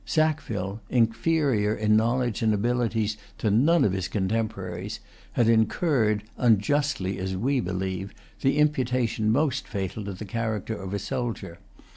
Sackville, inferior in knowledge and abilities to none of his contemporaries, had incurred, unjustly as we believe, the imputation most fatal to the character of a soldier.